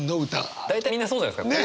大体みんなそうじゃないですか。